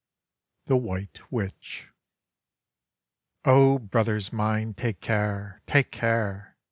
THE WHITE WITCH O, brothers mine, take care! Take care!